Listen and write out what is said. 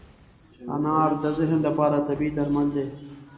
انار د ذهن لپاره طبیعي درمل دی.